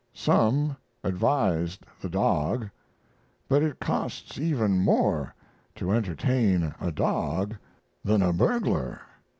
Some advised the dog, but it costs even more to entertain a dog than a burglar.